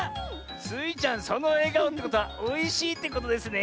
スイちゃんそのえがおってことはおいしいってことですね。